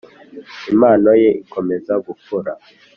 impano ye ikomeza gukura